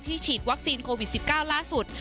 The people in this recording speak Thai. ฉีดวัคซีนโควิด๑๙ล่าสุด